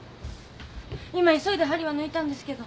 今急いで針を抜いたんですけど。